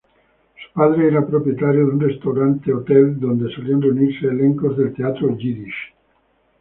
Su padre era propietario de un restaurant-hotel, donde solían reunirse elencos del teatro Yiddish.